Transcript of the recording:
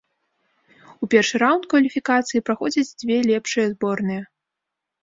У першы раўнд кваліфікацыі праходзяць дзве лепшыя зборныя.